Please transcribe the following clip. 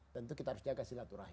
tentu kita harus jaga silaturahmi